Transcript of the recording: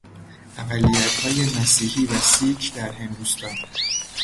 اقلیتهای مسیحی و سیک در هندوستان